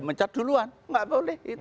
mencat duluan gak boleh